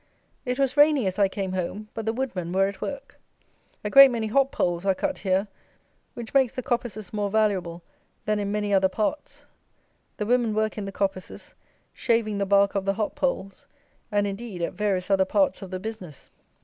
It was rainy as I came home; but the woodmen were at work. A great many hop poles are cut here, which makes the coppices more valuable than in many other parts. The women work in the coppices, shaving the bark of the hop poles, and, indeed, at various other parts of the business.